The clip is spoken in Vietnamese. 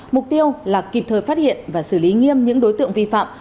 mục tiêu là kịp thời phát hiện và xử lý nghiêm những đối tượng vi phạm